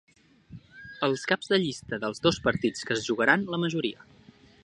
Els caps de llista dels dos partits que es jugaran la majoria.